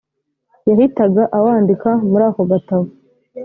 yahitaga awandika muri ako gatabo